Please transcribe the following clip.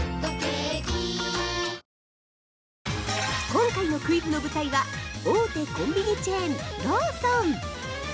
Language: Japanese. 今回のクイズの舞台は大手コンビニチェーンローソン。